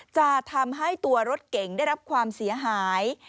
จะทำให้ตัวรถเก่งได้รับความเสียหาย